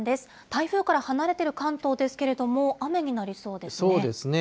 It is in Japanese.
台風から離れている関東ですけれそうですね。